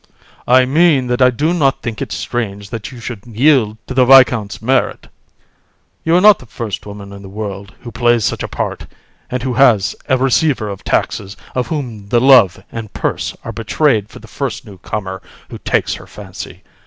HAR. I mean that I do not think it strange that you should yield to the viscount's merit; you are not the first woman in the world who plays such a part, and who has a receiver of taxes of whom the love and purse are betrayed for the first new comer who takes her fancy.